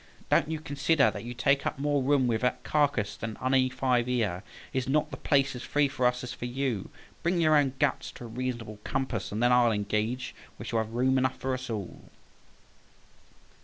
Don't you consider that you take up more room with that carcass than any five here? Is not the place as free for us as for you? Bring your own guts to a reasonable compass, and then I'll engage we shall have room enough for us all."